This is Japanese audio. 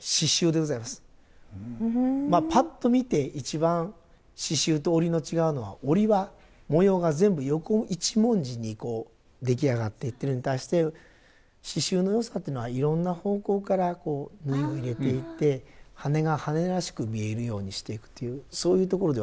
まあぱっと見て一番刺繍と織りの違うのは織りは模様が全部横一文字にこう出来上がっていってるのに対して刺繍のよさっていうのはいろんな方向から縫いを入れていって羽が羽らしく見えるようにしていくというそういうところではないかと思いますが。